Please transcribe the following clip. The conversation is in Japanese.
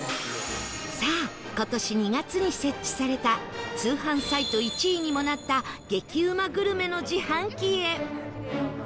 さあ今年２月に設置された通販サイト１位にもなった激うまグルメの自販機へ